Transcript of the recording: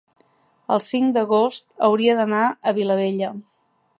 el cinc d'agost hauria d'anar a Vilabella.